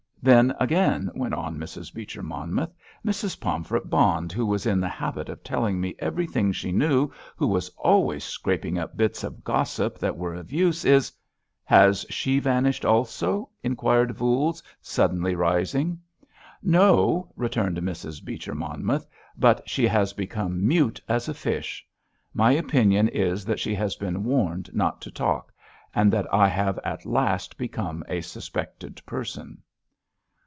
Then, again," went on Mrs. Beecher Monmouth, "Mrs. Pomfret Bond, who was in the habit of telling me everything she knew, who was always scraping up bits of gossip that were of use, is——" "Has she vanished also?" inquired Voules, suddenly rising. "No," returned Mrs. Beecher Monmouth, "but she has become mute as a fish. My opinion is that she has been warned not to talk, and that I have at last become a suspected person!"